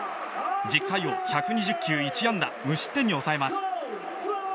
１０回を１２０球１安打無失点に抑えます。